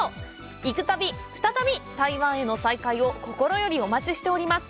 「いくたび、ふたたび台湾。」への再会を心よりお待ちしております。